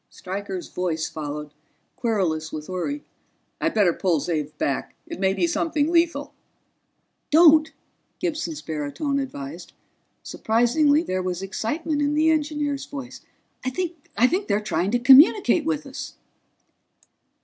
Stryker's voice followed, querulous with worry: "I'd better pull Xav back. It may be something lethal." "Don't," Gibson's baritone advised. Surprisingly, there was excitement in the engineer's voice. "I think they're trying to communicate with us."